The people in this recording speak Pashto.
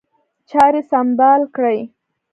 چاري سمبال کړي.